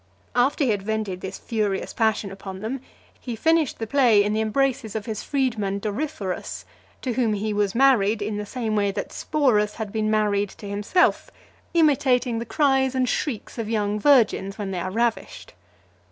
After he had vented his furious passion upon them, he finished the play in the embraces of his freedman Doryphorus , to whom he was married in the same way that Sporus had been married to himself; imitating the cries and shrieks of young virgins, when they are ravished.